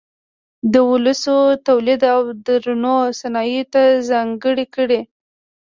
د وسلو تولید او درنو صنایعو ته ځانګړې کړې.